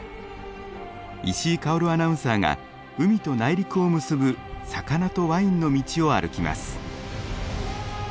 石井かおるアナウンサーが海と内陸を結ぶ魚とワインの道を歩きます。